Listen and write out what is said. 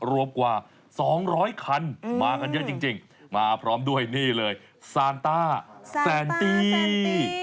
รวมกว่า๒๐๐คันมากันเยอะจริงมาพร้อมด้วยนี่เลยซานต้าแสนดี